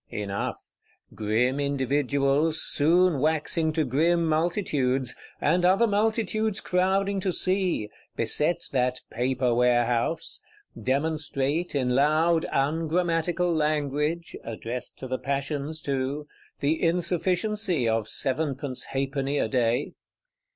Enough: grim individuals, soon waxing to grim multitudes, and other multitudes crowding to see, beset that Paper Warehouse; demonstrate, in loud ungrammatical language (addressed to the passions too), the insufficiency of sevenpence halfpenny a day.